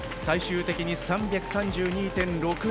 最終的に３３２．６０。